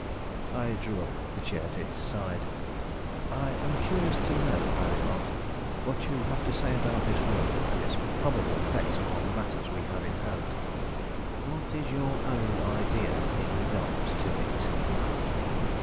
I drew up the chair to his side. "I am curious to know," I remarked, "what you have to say about this will, and its probable effect upon the matters we have in hand." "What is your own idea in regard to it?"